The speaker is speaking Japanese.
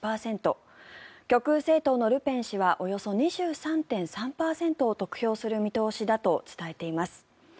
極右政党のルペン氏はおよそ２３．３％を得票する見通しだと伝えています。